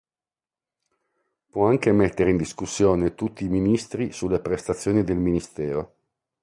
Può anche mettere in discussione tutti i ministri sulle prestazioni del ministero.